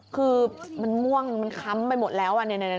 คือมันม่วงมันค้ำไปหมดแล้ว